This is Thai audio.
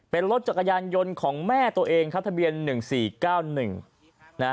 เป็นรถจักรยานยนต์ของแม่ตัวเองครับทะเบียน๑๔๙๑นะฮะ